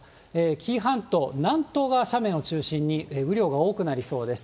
紀伊半島、南東側斜面を中心に雨量が多くなりそうです。